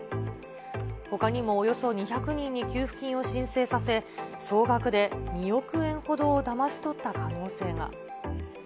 ほかにもおよそ２００人に給付金を申請させ、総額で２億円ほどをだまし取った可能性が。